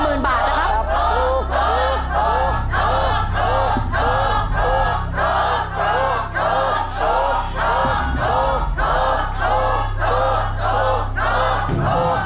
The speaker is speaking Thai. เดี๋ยวหนูได้